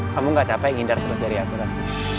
kamu gak capek ngindar terus dari aku tak